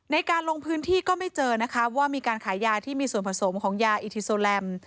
ในการลงพื้นที่ก็ไม่เจอนะคะว่ามีการขายยาที่มีส่วนผสมของยาอิทิโซแลม